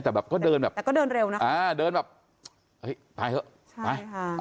แต่แบบก็เดินแบบแต่ก็เดินเร็วนะอ่าเดินแบบเฮ้ยไปเถอะใช่ไปค่ะ